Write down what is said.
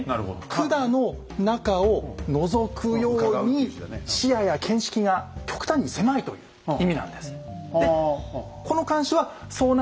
管の中をのぞくように視野や見識が極端に狭いという意味なんです。